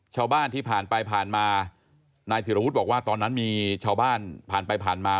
ชาวบ้านที่ผ่านไปผ่านมานายธิรวุฒิบอกว่าตอนนั้นมีชาวบ้านผ่านไปผ่านมา